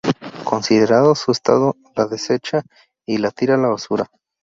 Considerando su estado, la deshecha y la tira a la basura.